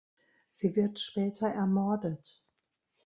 Sie wird später ermordet.